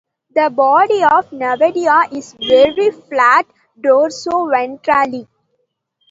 The body of "Nevadia" is very flat dorso-ventrally.